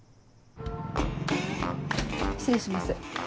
失礼します